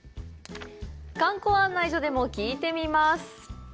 観光案内所でも聞いてみます。